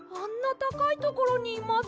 たかいところにいます。